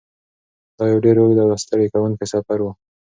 دا یو ډېر اوږد او ستړی کوونکی سفر و.